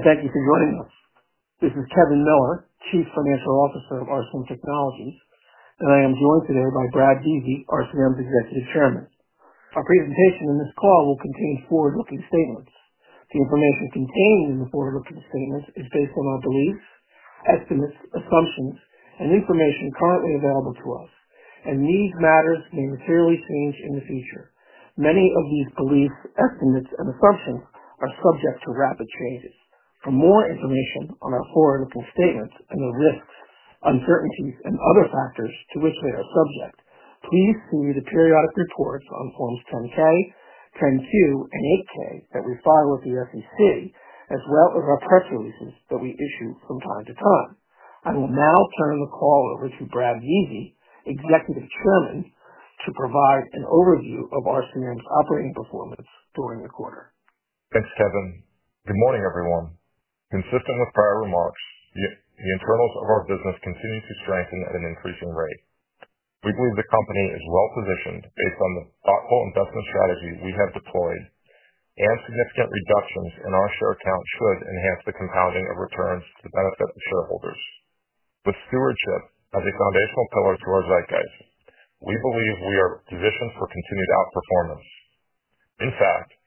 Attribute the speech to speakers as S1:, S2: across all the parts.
S1: Thank you for joining us. This is Kevin Miller, Chief Financial Officer of RCM Technologies, and I am joined today by Brad Vizi, RCM's Executive Chairman. Our presentation and this call will contain forward-looking statements. The information contained in the forward-looking statements is based on our beliefs, estimates, assumptions, and information currently available to us, and these matters may materially change in the future. Many of these beliefs, estimates, and assumptions are subject to rapid changes. For more information on our forward-looking statements and the risks, uncertainties, and other factors to which they are subject, please see the periodic reports on Forms 10-K, 10-Q, and 8-K that we file with the SEC, as well as our press releases that we issue from time to time. I will now turn the call over to Brad Vizi, Executive Chairman, to provide an overview of RCM's operating performance during the quarter.
S2: Thanks, Kevin. Good morning, everyone. Consistent with prior remarks, the internals of our business continue to strengthen at an increasing rate. We believe the company is well-positioned based on the thoughtful investment strategy we have deployed, and significant reductions in our share count should enhance the compounding of returns to benefit the shareholders. With stewardship as a foundational pillar to our zeitgeist, we believe we are positioned for continued outperformance. In fact,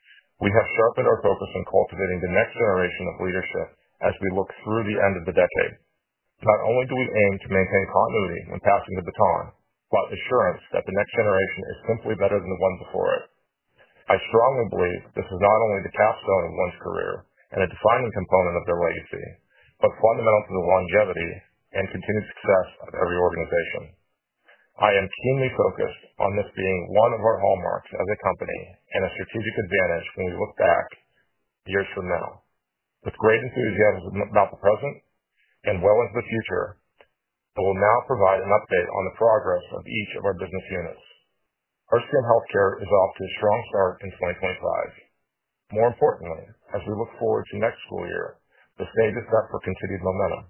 S2: we have sharpened our focus on cultivating the next generation of leadership as we look through the end of the decade. Not only do we aim to maintain continuity when passing the baton, but assurance that the next generation is simply better than the one before it. I strongly believe this is not only the capstone of one's career and a defining component of their legacy, but fundamental to the longevity and continued success of every organization. I am keenly focused on this being one of our hallmarks as a company and a strategic advantage when we look back years from now. With great enthusiasm about the present and well into the future, I will now provide an update on the progress of each of our business units. RCM Healthcare is off to a strong start in 2025. More importantly, as we look forward to next school year, the stage is set for continued momentum.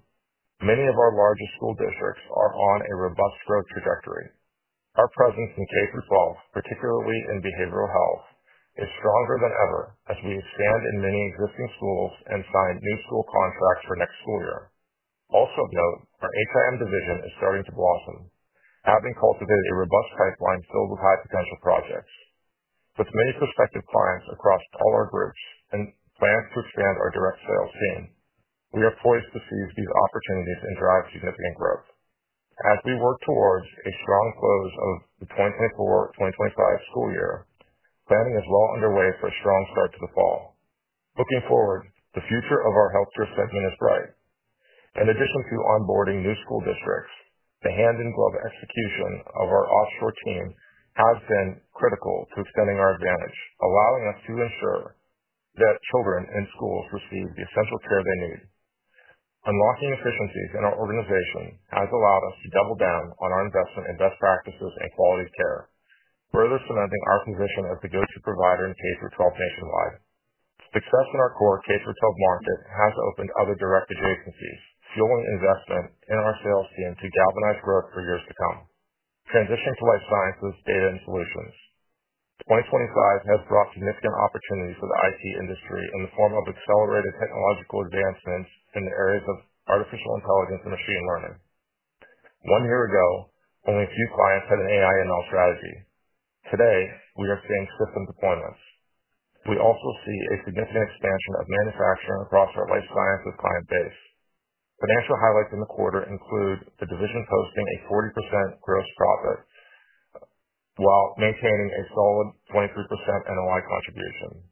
S2: Many of our largest school districts are on a robust growth trajectory. Our presence in K-12, particularly in behavioral health, is stronger than ever as we expand in many existing schools and sign new school contracts for next school year. Also of note, our HIM division is starting to blossom, having cultivated a robust pipeline filled with high-potential projects. With many prospective clients across all our groups and plans to expand our direct sales team, we are poised to seize these opportunities and drive significant growth. As we work towards a strong close of the 2024-2025 school year, planning is well underway for a strong start to the fall. Looking forward, the future of our healthcare segment is bright. In addition to onboarding new school districts, the hand-in-glove execution of our offshore team has been critical to extending our advantage, allowing us to ensure that children in schools receive the essential care they need. Unlocking efficiencies in our organization has allowed us to double down on our investment in best practices and quality of care, further cementing our position as the go-to provider in K-12 nationwide. Success in our core K-12 market has opened other direct-edge agencies, fueling investment in our sales team to galvanize growth for years to come. Transitioning to life sciences, data, and solutions. 2025 has brought significant opportunities for the IT industry in the form of accelerated technological advancements in the areas of artificial intelligence and machine learning. One year ago, only a few clients had an AI/ML strategy. Today, we are seeing system deployments. We also see a significant expansion of manufacturing across our life sciences client base. Financial highlights in the quarter include the division posting a 40% gross profit while maintaining a solid 23% NOI contribution.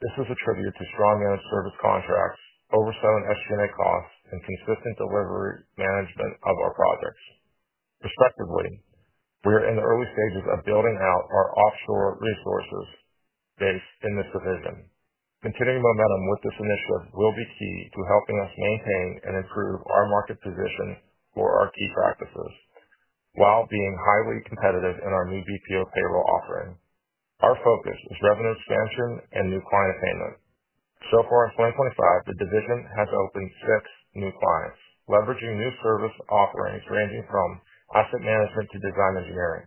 S2: This is attributed to strong managed service contracts, overseen SG&A costs, and consistent delivery management of our projects. Respectively, we are in the early stages of building out our offshore resources base in this division. Continuing momentum with this initiative will be key to helping us maintain and improve our market position for our key practices while being highly competitive in our new BPO payroll offering. Our focus is revenue expansion and new client attainment. So far in 2025, the division has opened six new clients, leveraging new service offerings ranging from asset management to design engineering.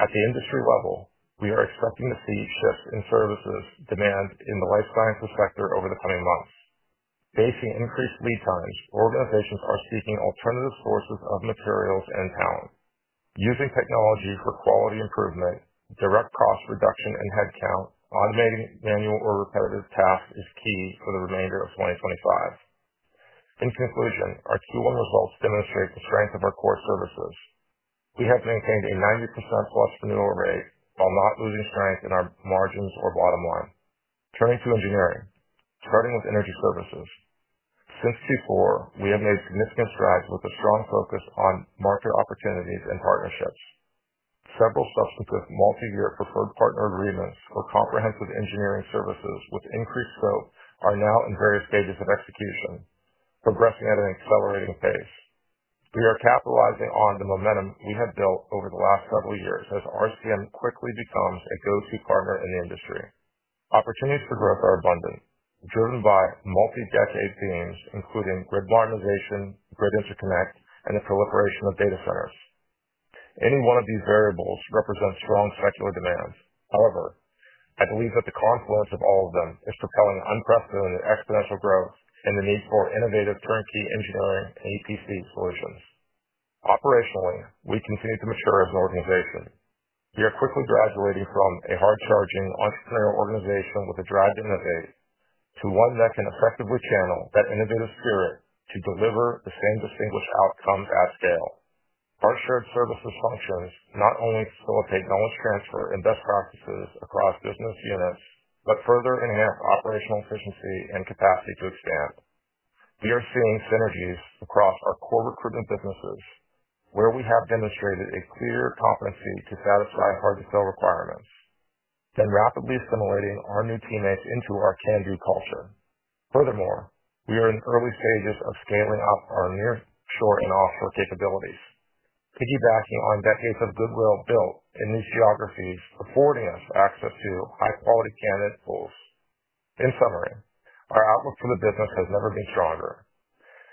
S2: At the industry level, we are expecting to see shifts in services demand in the life sciences sector over the coming months. Facing increased lead times, organizations are seeking alternative sources of materials and talent. Using technology for quality improvement, direct cost reduction, and headcount, automating manual or repetitive tasks is key for the remainder of 2025. In conclusion, our Q1 results demonstrate the strength of our core services. We have maintained a 90% plus renewal rate while not losing strength in our margins or bottom line. Turning to engineering, starting with energy services. Since Q4, we have made significant strides with a strong focus on market opportunities and partnerships. Several substantive multi-year preferred partner agreements for comprehensive engineering services with increased scope are now in various stages of execution, progressing at an accelerating pace. We are capitalizing on the momentum we have built over the last several years as RCM quickly becomes a go-to partner in the industry. Opportunities for growth are abundant, driven by multi-decade themes including grid modernization, grid interconnect, and the proliferation of data centers. Any one of these variables represents strong secular demands. However, I believe that the confluence of all of them is propelling unprecedented exponential growth and the need for innovative turnkey engineering and EPC solutions. Operationally, we continue to mature as an organization. We are quickly graduating from a hard-charging entrepreneurial organization with a drive to innovate to one that can effectively channel that innovative spirit to deliver the same distinguished outcomes at scale. Our shared services functions not only facilitate knowledge transfer and best practices across business units, but further enhance operational efficiency and capacity to expand. We are seeing synergies across our core recruitment businesses, where we have demonstrated a clear competency to satisfy hard-to-fill requirements, and rapidly assimilating our new teammates into our can-do culture. Furthermore, we are in early stages of scaling up our near-shore and offshore capabilities, piggybacking on decades of goodwill built in new geographies, affording us access to high-quality candidate pools. In summary, our outlook for the business has never been stronger,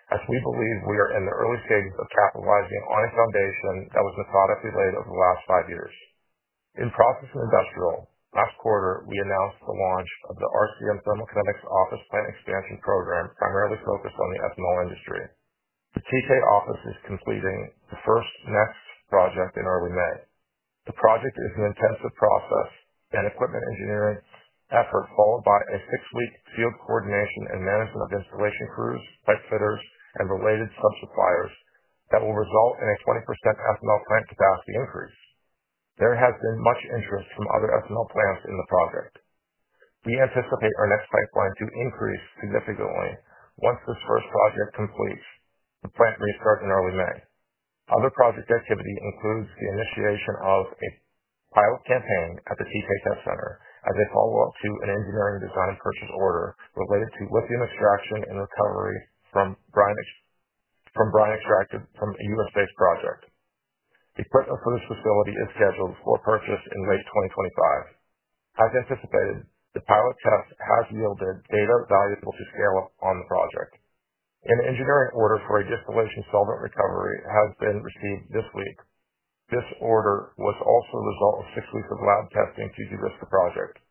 S2: as we believe we are in the early stages of capitalizing on a foundation that was methodically laid over the last five years. In process and industrial, last quarter, we announced the launch of the RCM Thermal Kinetics office plant xpansion program, primarily focused on the ethanol industry. The TK office is completing the first NEXT project in early May. The project is an intensive process and equipment engineering effort, followed by a six-week field coordination and management of installation crews, pipe fitters, and related sub-suppliers that will result in a 20% ethanol plant capacity increase. There has been much interest from other ethanol plants in the project. We anticipate our next pipeline to increase significantly once this first project completes and plant restarts in early May. Other project activity includes the initiation of a pilot campaign at the TK Test Center as a follow-up to an engineering design purchase order related to lithium extraction and recovery from brine extracted from a U.S.-based project. Equipment for this facility is scheduled for purchase in late 2025. As anticipated, the pilot test has yielded data valuable to scale up on the project. An engineering order for a distillation solvent recovery has been received this week. This order was also the result of six weeks of lab testing to de-risk the project.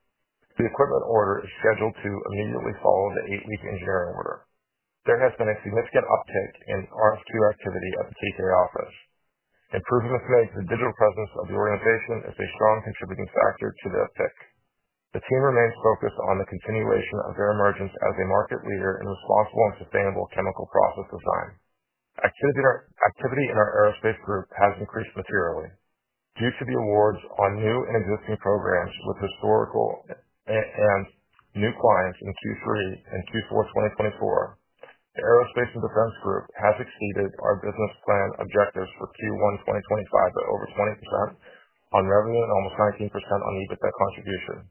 S2: The equipment order is scheduled to immediately follow the eight-week engineering order. There has been a significant uptick in RFQ activity at the TK office. Improvements made to the digital presence of the organization are a strong contributing factor to the uptick. The team remains focused on the continuation of their emergence as a market leader in responsible and sustainable chemical process design. Activity in our aerospace group has increased materially. Due to the awards on new and existing programs with historical and new clients in Q3 and Q4 2024, the Aerospace and Defense group has exceeded our business plan objectives for Q1 2025 by over 20% on revenue and almost 19% on EBITDA contribution.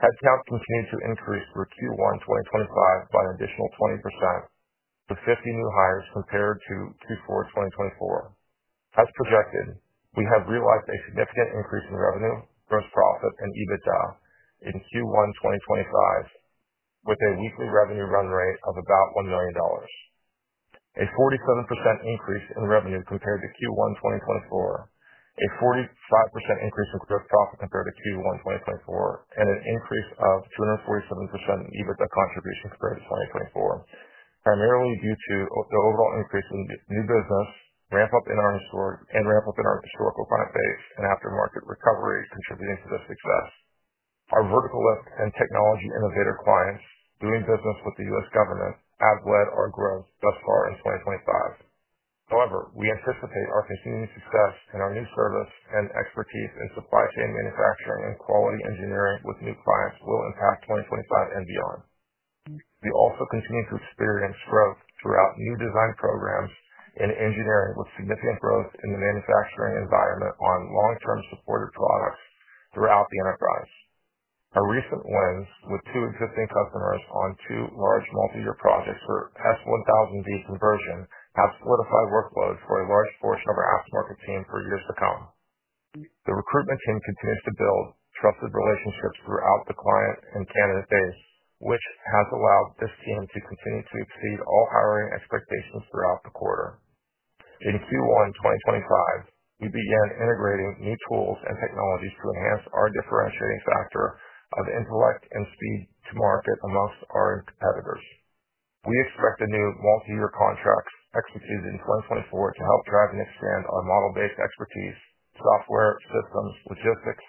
S2: Headcount continued to increase through Q1 2025 by an additional 20% with 50 new hires compared to Q4 2024. As projected, we have realized a significant increase in revenue, gross profit, and EBITDA in Q1 2025, with a weekly revenue run rate of about $1 million. A 47% increase in revenue compared to Q1 2024, a 45% increase in gross profit compared to Q1 2024, and an increase of 247% in EBITDA contribution compared to 2024, primarily due to the overall increase in new business, ramp-up in our historical client base, and aftermarket recovery contributing to this success. Our vertical and technology innovator clients doing business with the U.S. government have led our growth thus far in 2025. However, we anticipate our continuing success in our new service and expertise in supply chain manufacturing and quality engineering with new clients will impact 2025 and beyond. We also continue to experience growth throughout new design programs in engineering with significant growth in the manufacturing environment on long-term supported products throughout the enterprise. Our recent wins with two existing customers on two large multi-year projects for S1000D conversion have solidified workloads for a large portion of our aftermarket team for years to come. The recruitment team continues to build trusted relationships throughout the client and candidate base, which has allowed this team to continue to exceed all hiring expectations throughout the quarter. In Q1 2025, we began integrating new tools and technologies to enhance our differentiating factor of intellect and speed to market amongst our competitors. We expect the new multi-year contracts executed in 2024 to help drive and expand our model-based expertise, software systems, logistics,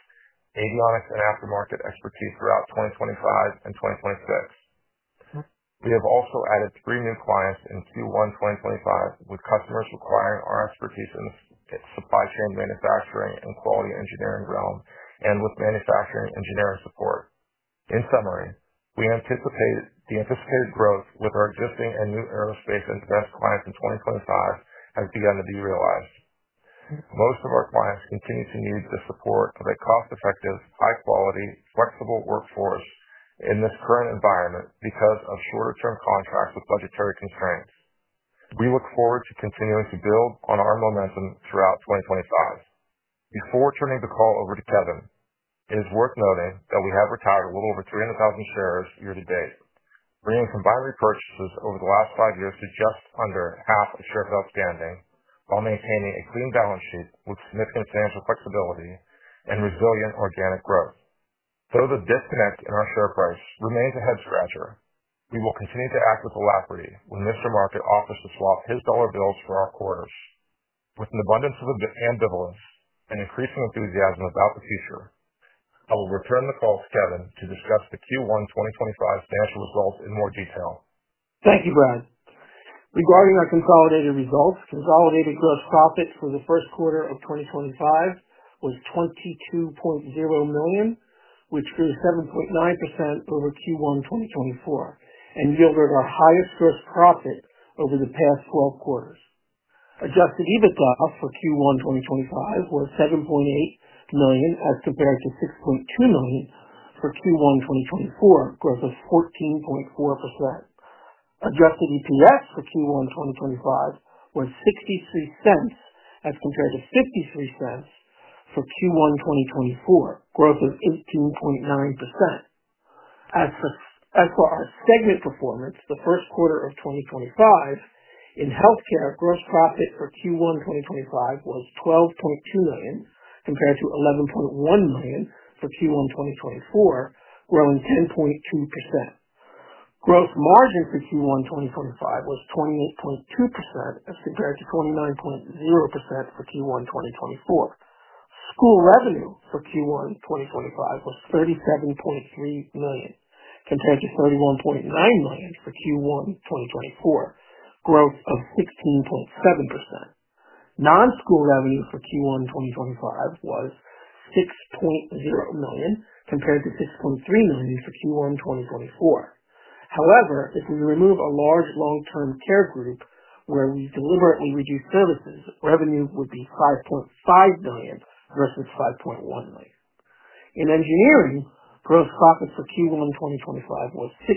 S2: avionics, and aftermarket expertise throughout 2025 and 2026. We have also added three new clients in Q1 2025, with customers requiring our expertise in the supply chain manufacturing and quality engineering realm and with manufacturing engineering support. In summary, we anticipate the anticipated growth with our existing and new aerospace and defense clients in 2025 has begun to be realized. Most of our clients continue to need the support of a cost-effective, high-quality, flexible workforce in this current environment because of shorter-term contracts with budgetary constraints. We look forward to continuing to build on our momentum throughout 2025. Before turning the call over to Kevin, it is worth noting that we have retired a little over 300,000 shares year-to-date, bringing combined repurchases over the last five years to just under half a million shares outstanding while maintaining a clean balance sheet with significant financial flexibility and resilient organic growth. Though the disconnect in our share price remains a head-scratcher, we will continue to act with alacrity when Mr. Market offers to swap his dollar bills for our quarters. With an abundance of ambivalence and increasing enthusiasm about the future, I will return the call to Kevin to discuss the Q1 2025 financial results in more detail.
S1: Thank you, Brad. Regarding our consolidated results, consolidated gross profit for the first quarter of 2025 was $22.0 million, which grew 7.9% over Q1 2024 and yielded our highest gross profit over the past 12 quarters. Adjusted EBITDA for Q1 2025 was $7.8 million as compared to $6.2 million for Q1 2024, growth of 14.4%. Adjusted EPS for Q1 2025 was $0.63 as compared to $0.53 for Q1 2024, growth of 18.9%. As for our segment performance the first quarter of 2025, in healthcare, gross profit for Q1 2025 was $12.2 million compared to $11.1 million for Q1 2024, growing 10.2%. Gross margin for Q1 2025 was 28.2% as compared to 29.0% for Q1 2024. School revenue for Q1 2025 was $37.3 million compared to $31.9 million for Q1 2024, growth of 16.7%. Non-school revenue for Q1 2025 was $6.0 million compared to $6.3 million for Q1 2024. However, if we remove a large long-term care group where we deliberately reduce services, revenue would be $5.5 million versus $5.1 million. In engineering, gross profit for Q1 2025 was $6.2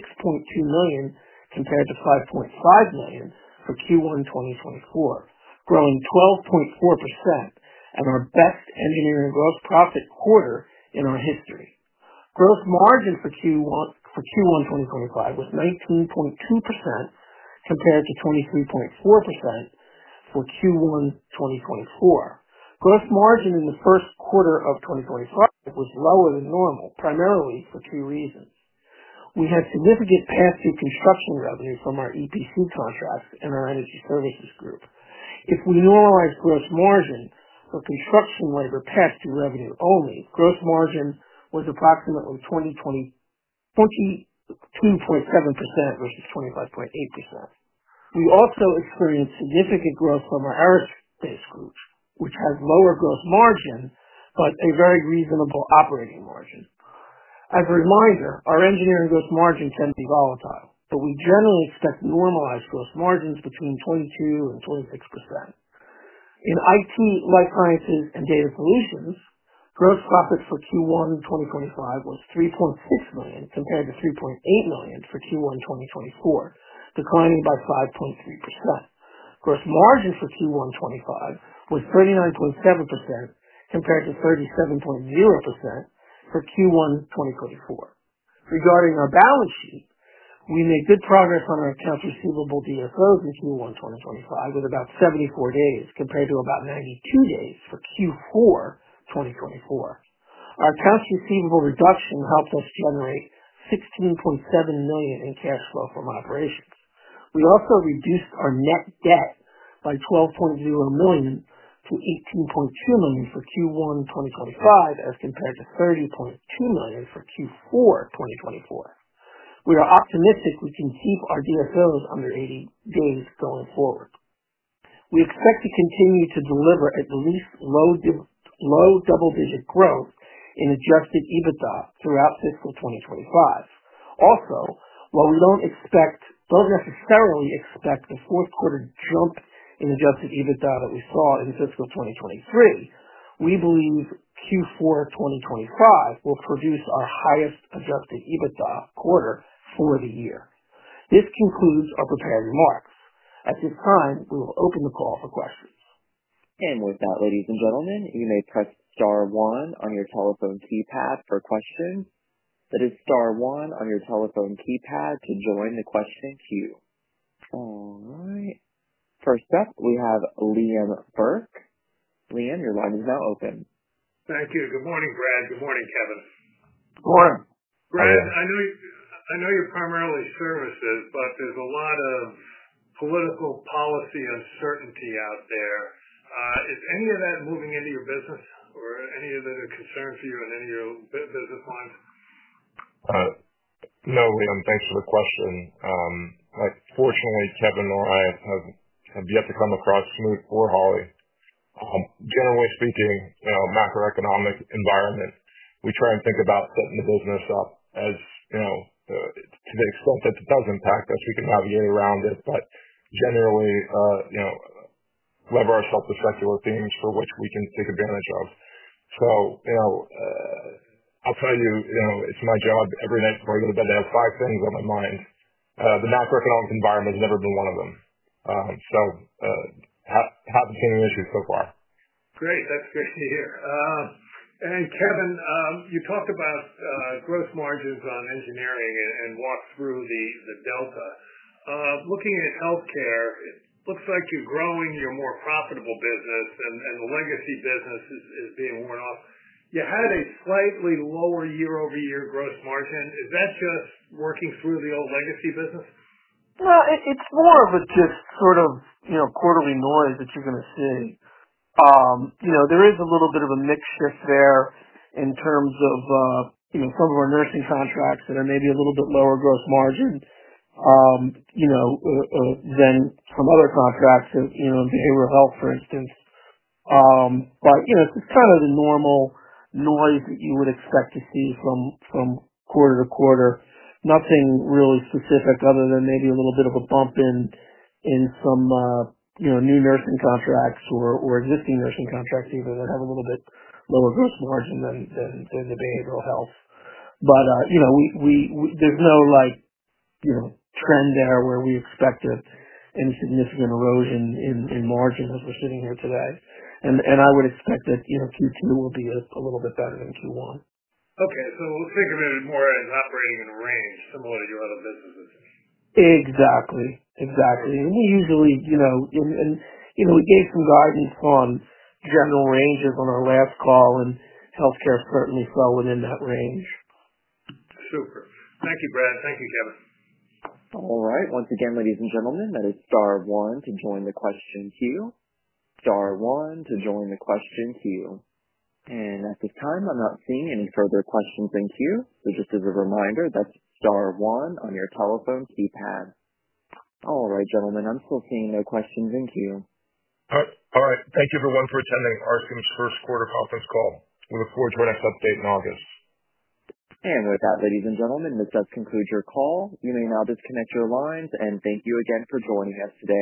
S1: million compared to $5.5 million for Q1 2024, growing 12.4% and our best engineering gross profit quarter in our history. Gross margin for Q1 2025 was 19.2% compared to 23.4% for Q1 2024. Gross margin in the first quarter of 2025 was lower than normal, primarily for two reasons. We had significant past-due construction revenue from our EPC contracts and our energy services group. If we normalize gross margin for construction labor past-due revenue only, gross margin was approximately 22.7% versus 25.8%. We also experienced significant growth from our aerospace group, which has lower gross margin but a very reasonable operating margin. As a reminder, our engineering gross margin can be volatile, but we generally expect normalized gross margins between 22%-26%. In IT, life sciences, and data solutions, gross profit for Q1 2025 was $3.6 million compared to $3.8 million for Q1 2024, declining by 5.3%. Gross margin for Q1 2025 was 39.7% compared to 37.0% for Q1 2024. Regarding our balance sheet, we made good progress on our accounts receivable DSOs in Q1 2025 with about 74 days compared to about 92 days for Q4 2024. Our accounts receivable reduction helped us generate $16.7 million in cash flow from operations. We also reduced our net debt by $12.0 million-$18.2 million for Q1 2025 as compared to $30.2 million for Q4 2024. We are optimistic we can keep our DSOs under 80 days going forward. We expect to continue to deliver at least low double-digit growth in adjusted EBITDA throughout fiscal 2025. Also, while we don't necessarily expect the fourth quarter jump in adjusted EBITDA that we saw in fiscal 2023, we believe Q4 2025 will produce our highest adjusted EBITDA quarter for the year. This concludes our prepared remarks. At this time, we will open the call for questions.
S3: You may press star one on your telephone keypad for questions. That is star one on your telephone keypad to join the question queue. All right. First up, we have Liam Burke. Liam, your line is now open. Thank you. Good morning, Brad. Good morning, Kevin.
S1: Morning. Brad, I know you're primarily services, but there's a lot of political policy uncertainty out there. Is any of that moving into your business or any of that a concern for you in any of your business lines?
S2: No, Liam, thanks for the question. Fortunately, Kevin or I have yet to come across smooth for Holly. Generally speaking, macroeconomic environment, we try and think about setting the business up as to the extent that it does impact us, we can navigate around it, but generally lever ourselves to secular themes for which we can take advantage of. I'll tell you, it's my job every night before I go to bed to have five things on my mind. The macroeconomic environment has never been one of them. Haven't seen an issue so far. Great. That's great to hear. Kevin, you talked about gross margins on engineering and walked through the delta. Looking at healthcare, it looks like you're growing your more profitable business, and the legacy business is being worn off. You had a slightly lower year-over-year gross margin. Is that just working through the old legacy business?
S1: It is more of a just sort of quarterly noise that you are going to see. There is a little bit of a mix shift there in terms of some of our nursing contracts that are maybe a little bit lower gross margin than some other contracts in behavioral health, for instance. It is just kind of the normal noise that you would expect to see from quarter to quarter. Nothing really specific other than maybe a little bit of a bump in some new nursing contracts or existing nursing contracts even that have a little bit lower gross margin than the behavioral health. There is no trend there where we expect any significant erosion in margins as we are sitting here today. I would expect that Q2 will be a little bit better than Q1. Okay. We'll think of it more as operating in a range similar to your other businesses.
S2: Exactly. Exactly. And we usually and we gave some guidance on general ranges on our last call, and healthcare certainly fell within that range. Super. Thank you, Brad. Thank you, Kevin.
S3: All right. Once again, ladies and gentlemen, that is star one to join the question queue. Star one to join the question queue. At this time, I'm not seeing any further questions in queue. Just as a reminder, that's star one on your telephone keypad. All right, gentlemen. I'm still seeing no questions in queue.
S1: Thank you everyone for attending RCM's first quarter conference call. We look forward to our next update in August.
S3: With that, ladies and gentlemen, this does conclude your call. You may now disconnect your lines. Thank you again for joining us today.